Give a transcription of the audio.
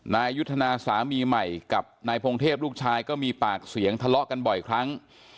นายยุทธนาสามีใหม่กับนายพงเทพลูกชายก็มีปากเสียงทะเลาะกันบ่อยครั้ง